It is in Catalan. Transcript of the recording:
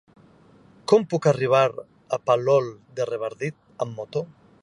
Com puc arribar a Palol de Revardit amb moto?